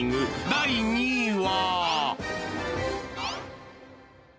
第２位は］